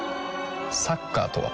サッカーとは？